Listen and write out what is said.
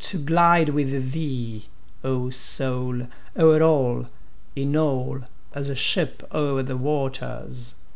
To glide with thee, O Soul, o'er all, in all, as a ship o'er the waters!